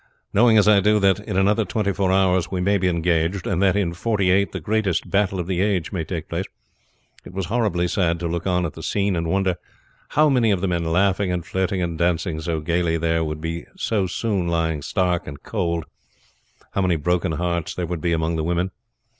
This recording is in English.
"Knowing as I do that in another twenty four hours we may be engaged, and that in forty eight the greatest battle of the age may take place, it was horribly sad to look on at the scene and wonder how many of the men laughing and flirting and dancing so gayly there would be so soon lying stark and cold, how many broken hearts there would be among the women.